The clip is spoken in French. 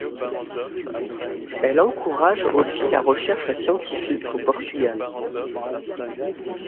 Elle encourage aussi la recherche scientifique au Portugal.